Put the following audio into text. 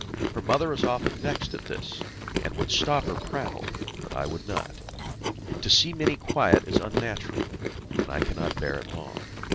Her mother is often vexed at this, and would stop her prattle, but I would not. To see Mini quiet is unnatural, and I cannot bear it long.